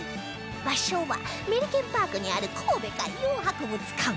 場所はメリケンパークにある神戸海洋博物館